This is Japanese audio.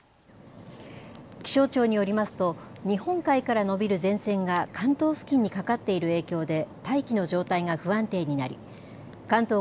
気象庁によりますと日本海から延びる前線が関東付近にかかっている影響で大気の状態が不安定になり関東